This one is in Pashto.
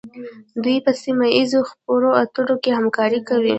دوی په سیمه ایزو خبرو اترو کې همکاري کوي